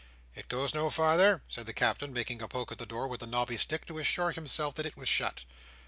"It goes no farther?" said the Captain, making a poke at the door with the knobby stick to assure himself that it was shut.